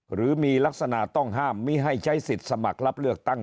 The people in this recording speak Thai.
หรือมีลักษณะต้องห้ามมิให้ใช้สิทธิ์สมัครรับเลือกตั้ง